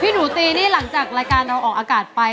พี่หนูตรีหลังจากรายการออกอากาศไป